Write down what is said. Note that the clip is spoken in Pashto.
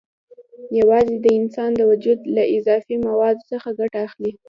یوازې د انسان د وجود له اضافي موادو څخه ګټه اخلي.